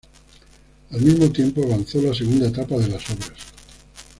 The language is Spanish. Al mismo tiempo, avanzó la segunda etapa de las obras.